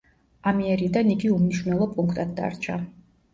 ამიერიდან იგი უმნიშვნელო პუნქტად დარჩა.